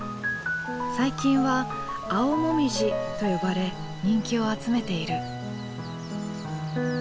最近は「青もみじ」と呼ばれ人気を集めている。